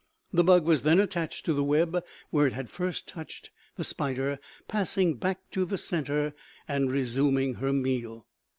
The bug was then attached to the web where it had first touched, the spider passing back to the center and resuming her meal.